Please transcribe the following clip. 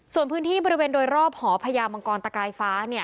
ส่วนพื้นที่บริเวณโดยรอบหอพญามังกรตะกายฟ้า